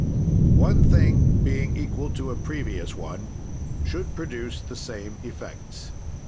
"One thing being equal to a previous one should produce the same effects.